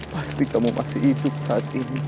pasti kamu masih hidup saat ini